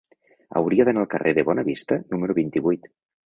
Hauria d'anar al carrer de Bonavista número vint-i-vuit.